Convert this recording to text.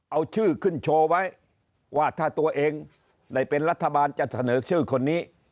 เอาชื่อขึ้นโชว์ไว้ว่าถ้าตัวเองได้เป็นรัฐบาลจะเสนอชื่อคนนี้